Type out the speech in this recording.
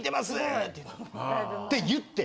って言って。